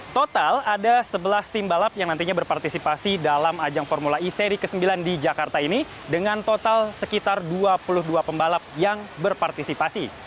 total ada sebelas tim balap yang nantinya berpartisipasi dalam ajang formula e seri ke sembilan di jakarta ini dengan total sekitar dua puluh dua pembalap yang berpartisipasi